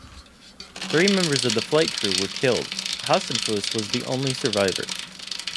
Three members of the flight crew were killed: Hasenfus was the only survivor.